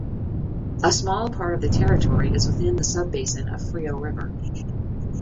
A small part of the territory is within the sub-basin of Frío river.